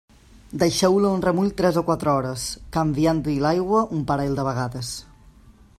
Deixeu-lo en remull tres o quatre hores, canviant-hi l'aigua un parell de vegades.